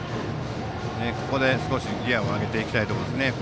ここで少しギヤを上げていきたいですね。